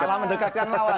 malah mendekatkan lawan